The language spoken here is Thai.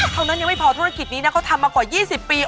เท่านั้นยังไม่พอทุกวันขีดนี้เขาทำมากว่า๒๐ปี